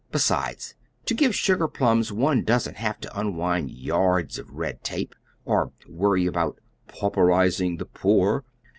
Besides, to give sugar plums one doesn't have to unwind yards of red tape, or worry about 'pauperizing the poor.'